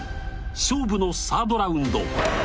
勝負のサードラウンド。